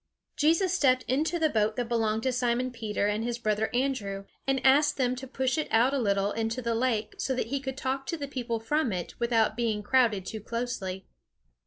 Jesus stepped into the boat that belonged to Simon Peter and his brother Andrew, and asked them to push it out a little into the lake, so that he could talk to the people from it without being crowded too closely.